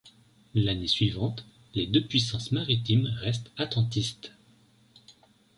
L'année suivante, les deux puissances maritimes restent attentistes.